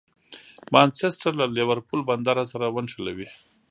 مانچسټر له لېورپول بندر سره ونښلوي.